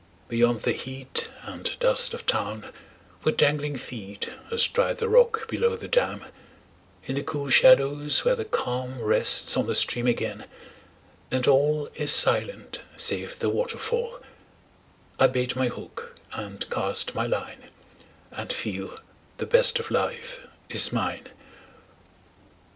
Beyond the heat And dust of town, with dangling feet Astride the rock below the dam, In the cool shadows where the calm Rests on the stream again, and all Is silent save the waterfall, I bait my hook and cast my line, And feel the best of life is mine.